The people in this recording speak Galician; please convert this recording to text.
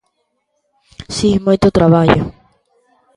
Si, moito traballo.